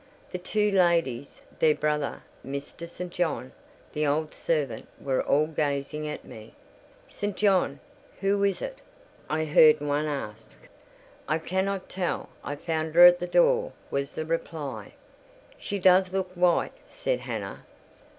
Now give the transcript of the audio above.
The two ladies, their brother, Mr. St. John, the old servant, were all gazing at me. "St. John, who is it?" I heard one ask. "I cannot tell: I found her at the door," was the reply. "She does look white," said Hannah.